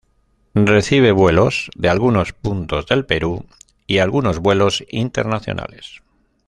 Recibe vuelos de algunos puntos del Perú y algunos vuelos internacionales.